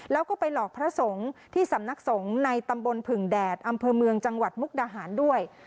แล้วก็ไปหลอกพระสงฆ์ที่สำนักสงฆ์ในตำบลผึ่งแดดอำเภอเมืองจังหวัดมุกดาหารด้วย